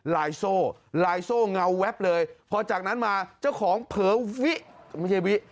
ลายโซ่ลายโซ่เงาแว๊บเลยพอจากนั้นมาเจ้าของเผลอวิไม่ใช่วิ